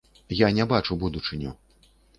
Я не бачу будучыню.